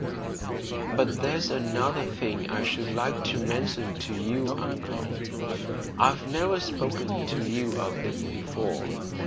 "But there's one thing I should like to mention to you uncle. I've never spoken to you of it before.